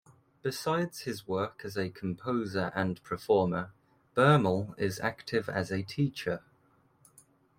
Besides his work as a composer and performer, Bermel is active as a teacher.